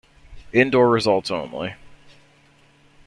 Indoor results only.